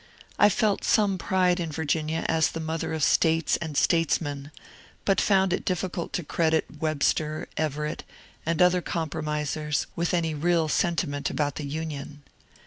I felt some pride in Virginia as the mother of States and statesmen, but found it difficult to credit Webster, Everett, and other Compromisers with any real sen timent about the Union.